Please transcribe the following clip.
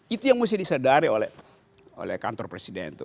itu yang mesti disadari oleh kantor presiden itu